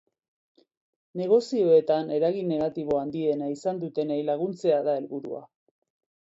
Negozioetan eragin negatibo handiena izan dutenei laguntzea da helburua.